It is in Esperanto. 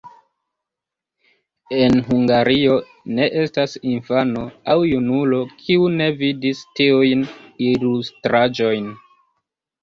En Hungario ne estas infano aŭ junulo, kiu ne vidis tiujn ilustraĵojn.